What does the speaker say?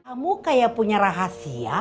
kamu kayak punya rahasia